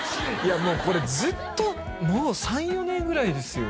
もうこれずっともう３４年ぐらいですよ